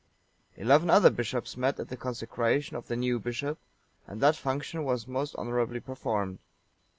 Eleven other bishops met at the consecration of the new bishop, and that function was most honourably performed.